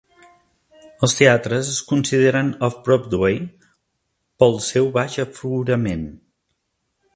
Els teatres es consideren off-Broadway pel seu baix aforament.